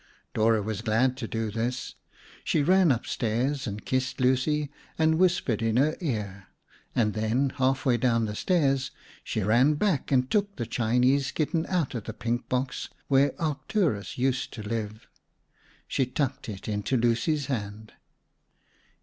Dora was glad to do this. She ran up stairs and kissed Lucy and whispered in her ear, and then half way down the stairs, she ran back and took the Chinese kitten out of the pink box where Arcturus used to live. She tucked it into Lucy's hand.